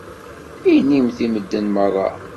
Inimt i medden meṛṛa.